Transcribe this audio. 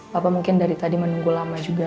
bapak mungkin dari tadi menunggu lama juga